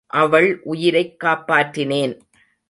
அவள் உயிரைக் காப்பாற்றினேன்.